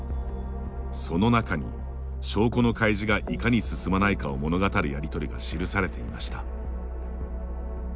その中に、証拠の開示がいかに進まないかを物語るやりとりが記されていました。